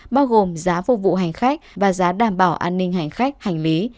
bao gồm giá phục vụ hành khách và giá đảm bảo an ninh hành khách hành lý